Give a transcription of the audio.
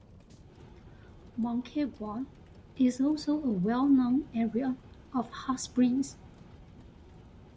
Moncagua is also a well known area of hot springs.